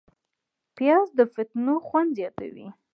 پیاز د فټنو خوند زیاتوي